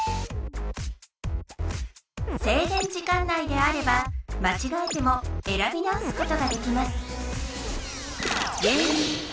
制限時間内であればまちがえても選び直すことができます